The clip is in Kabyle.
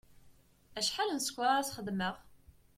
Acḥal n ssker ara as-xedmeɣ?